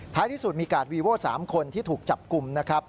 ที่สุดมีกาดวีโว้๓คนที่ถูกจับกลุ่มนะครับ